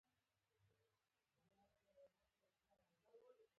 زما غوږۍ ورک شوی ده.